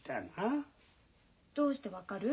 どうして分かる？